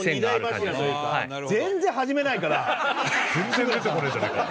全然出てこねえじゃねえかよ。